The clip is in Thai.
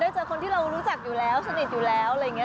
เจอคนที่เรารู้จักอยู่แล้วสนิทอยู่แล้วอะไรอย่างนี้